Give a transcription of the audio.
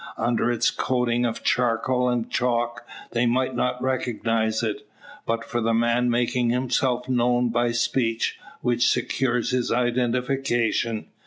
Under its coating of charcoal and chalk they might not recognise it, but for the man making himself known by speech, which secures his identification.